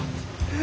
え！？